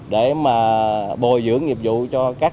để mà bồi dưỡng nghiệp vụ cho công an